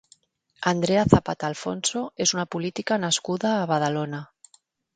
Andrea Zapata Alfonso és una política nascuda a Badalona.